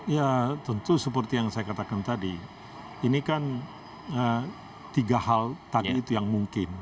ya tentu seperti yang saya katakan tadi ini kan tiga hal tadi itu yang mungkin